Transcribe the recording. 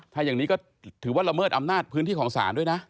ถ้าอย่างนี้ก็ถือว่าละเมิดอำนาจพื้นที่ของศาลด้วยนะ